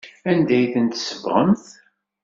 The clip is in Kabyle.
Anda ay ten-tsebɣemt?